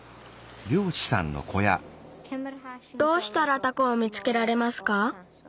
どうしたらタコを見つけられますか？